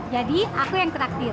jadi aku yang terakhir